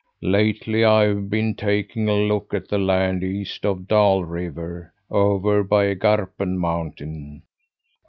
Lately I have been taking a look at the land east of Dal River, over by Garpen Mountain.